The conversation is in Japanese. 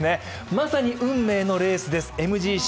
まさに運命のレースです、ＭＧＣ。